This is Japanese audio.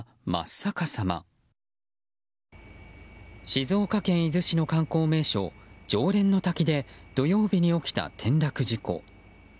静岡県伊豆市の観光名所浄蓮の滝で土曜日に起きた転落事故。